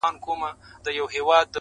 پخپل خنجر پاره پاره دي کړمه,